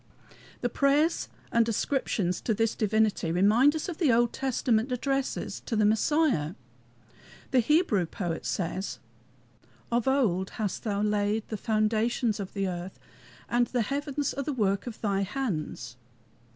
The prayers and ascriptions to this divinity remind us of the Old Testament addresses to the Messiah. The Hebrew poet says: "Of old hast thou laid the foundations of the earth, And the heavens are the work of thy hands."